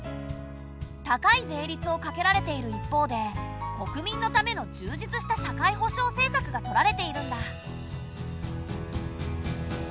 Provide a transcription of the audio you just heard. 高い税率をかけられている一方で国民のための充実した社会保障政策がとられているんだ。